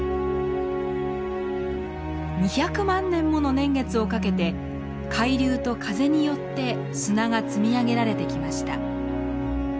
２００万年もの年月をかけて海流と風によって砂が積み上げられてきました。